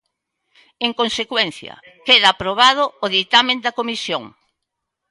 En consecuencia, queda aprobado o ditame da Comisión.